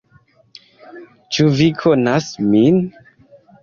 Ĉu vi konas min?